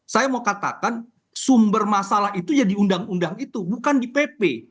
saya mau katakan sumber masalah itu ya di undang undang itu bukan di pp